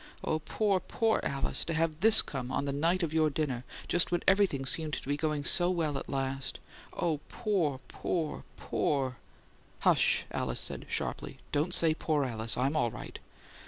"Oh, poor, POOR Alice to have THIS come on the night of your dinner just when everything seemed to be going so well at last oh, poor, poor, POOR " "Hush!" Alice said, sharply. "Don't say 'poor Alice!' I'm all right."